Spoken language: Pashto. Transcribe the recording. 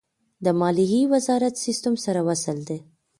د مالیې وزارت سیستم سره وصل دی؟